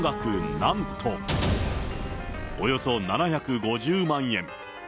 なんと、およそ７５０万円。